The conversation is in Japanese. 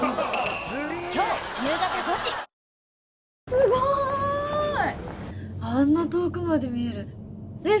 すごいあんな遠くまで見えるねえ